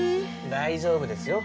大丈夫ですよ。